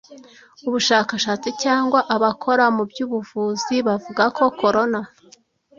ubushakashatsi cyangwa abakora mu by ubuvuzi bavugako corona